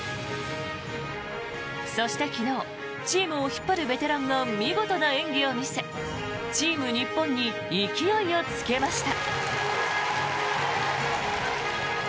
そして、昨日チームを引っ張るベテランが見事な演技を見せチーム日本に勢いをつけました。